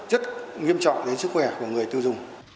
rất nghiêm trọng đến sức khỏe của người tiêu dùng